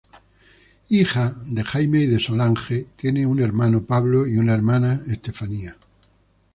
Hija de Jaime y Solange, tiene un hermano Pablo y una hermana Stephanie.